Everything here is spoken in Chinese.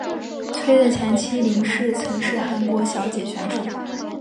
崔的前妻林氏曾是韩国小姐选手。